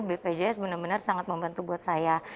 bpjs benar benar sangat membantu buat saya